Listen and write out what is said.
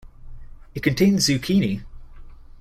It contains Zucchini.